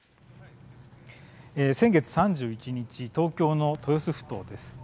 先月３１日、東京の豊洲ふ頭です。